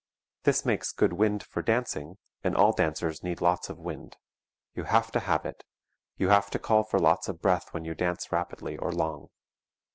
This makes good wind for dancing, and all dancers need lots of wind; you have to have it, you have to call for lots of breath when you dance rapidly or long.